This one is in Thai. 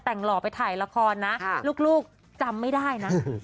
แต่งหล่อไปถ่ายละครนะลูกจำไม่ได้นะ